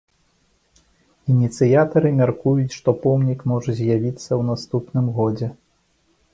Ініцыятары мяркуюць, што помнік можа з'явіцца ў наступным годзе.